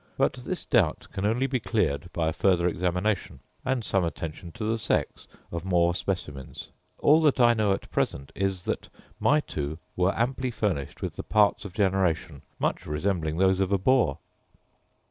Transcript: But this doubt can only be cleared by a farther examination, and some attention to the sex, of more specimens: all that I know at present is, that my two were amply furnished with the parts of generation, much resembling those of a boar.